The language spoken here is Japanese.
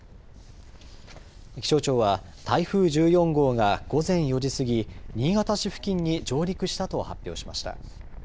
気象庁は台風１４号が午前４時過ぎ、新潟市付近に上陸したと発表しました。